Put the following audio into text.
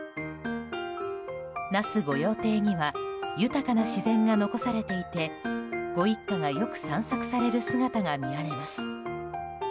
那須御用邸には豊かな自然が残されていてご一家がよく散策される姿が見られます。